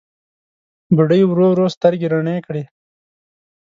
بوډۍ ورو ورو سترګې رڼې کړې.